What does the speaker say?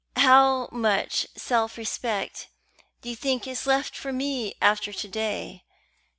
"How much self respect do you think is left for me after to day?"